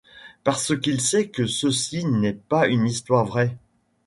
Parce qu’il sait que ceci n’est pas une histoire vraie.